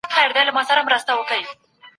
اې لورکۍ، صبر وکړه.